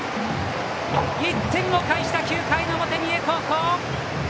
１点を返した９回の表、三重高校！